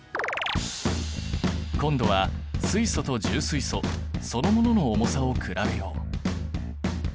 今度は水素と重水素そのものの重さをくらべよう。